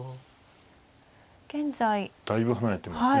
現在。だいぶ離れてますね。